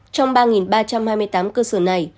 trong ba ba trăm hai mươi tám cơ sở này